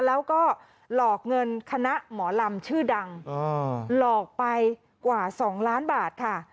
แล้วก็หลอกเงินคณะหมอลำชื่อดังหลอกไปกว่า๒ล้านบาทค่ะ